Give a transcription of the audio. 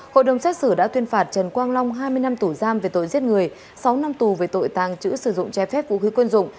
hội đồng xét xử đã tuyên phạt trần quang long hai mươi năm tù giam về tội giết người sáu năm tù về tội tàng trữ sử dụng trái phép vũ khí quân dụng